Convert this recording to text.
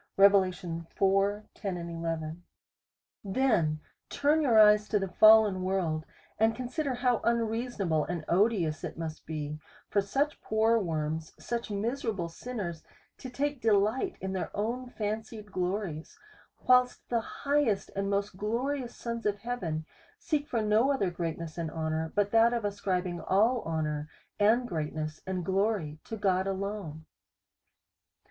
Rev. iv. 10, 11. Then turn your eyes to the fallon world, and con sider how unreasonable and odious it must be, for such poor worms, such miserable sinners, to take delight in their own fancied glories, whilst the highest and most glorious sons of heaven, seek for no other greatness p3 214 A SERIOUS CALL TO A and honour, but that of ascribing all honour and great ness, and glory to God alone